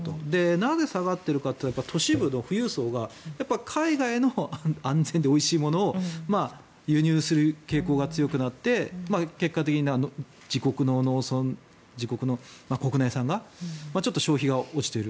なぜ下がっているかといったら都市部の富裕層が海外の安全でおいしいものを輸入する傾向が強くなって結果的に自国の農村自国の国内産がちょっと消費が落ちている。